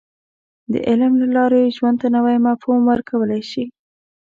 • د علم له لارې، ژوند ته نوی مفهوم ورکولی شې.